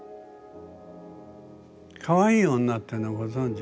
「かわいい女」ってのはご存じ？